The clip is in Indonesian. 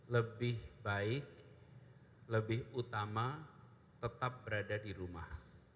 lebih baik lebih utama tetap berada di rumah